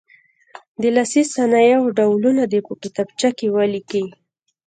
د لاسي صنایعو ډولونه دې په کتابچو کې ولیکي.